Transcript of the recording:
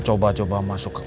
coba coba masuk ke kumai